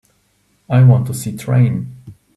I want to see Train